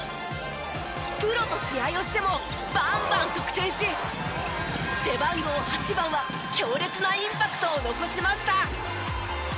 プロと試合をしてもバンバン得点し背番号８番は強烈なインパクトを残しました。